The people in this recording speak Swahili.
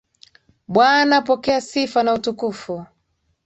Bwana pokea sifa na utukufu.